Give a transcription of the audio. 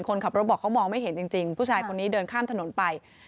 คนขับรถบอกเขามองไม่เห็นจริงผู้ชายคนนี้เดินข้ามถนนไป